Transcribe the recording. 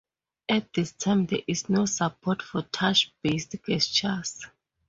At this time, there is no support for touch based gestures.